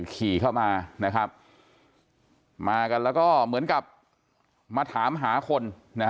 ขี่เข้ามาแล้วก็เหมือนกับมาถามหาคน